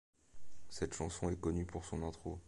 Cette chanson est connue pour son intro.